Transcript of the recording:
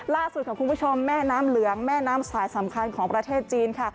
ล่าสุดค่ะคุณผู้ชมแม่น้ำเหลืองแม่น้ำสายสำคัญของประเทศจีนค่ะ